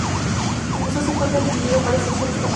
El museo se encuentra dividido en varias secciones temáticas.